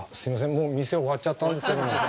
もう店終わっちゃったんですけど。